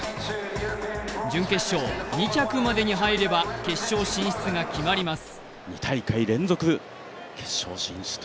準決勝２着までに入れば決勝進出が決まります。